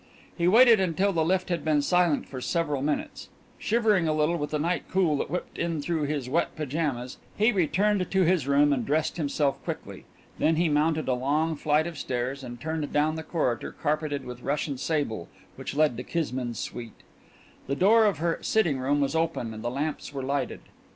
He waited until the lift had been silent for several minutes; shivering a little with the night cool that whipped in through his wet pyjamas, he returned to his room and dressed himself quickly. Then he mounted a long flight of stairs and turned down the corridor carpeted with Russian sable which led to Kismine's suite. The door of her sitting room was open and the lamps were lighted.